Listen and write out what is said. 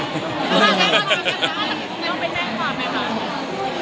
ถ้าแจ้งความกันกันได้ต้องไปแจ้งความไหมคะ